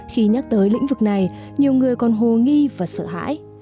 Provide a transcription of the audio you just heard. khi nhắc tới lĩnh vực này nhiều người còn hồ nghi và sợ hãi